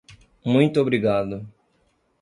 Muito obrigado!